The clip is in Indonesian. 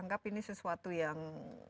anggap ini sesuatu yang